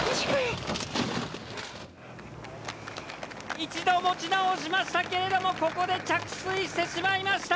一度持ち直しましたけれどもここで着水してしまいました。